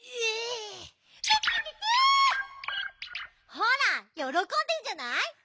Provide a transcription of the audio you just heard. ほらよろこんでんじゃない？